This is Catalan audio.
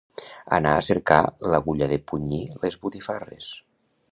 Anar a cercar l'agulla de punyir les botifarres.